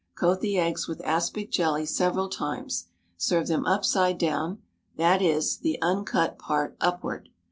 Coat the eggs with aspic jelly several times. Serve them upside down, that is, the uncut part upward.